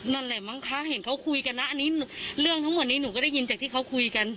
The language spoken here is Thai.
นั่นแหละมั้งคะเห็นเขาคุยกันนะอันนี้เรื่องทั้งหมดนี้หนูก็ได้ยินจากที่เขาคุยกัน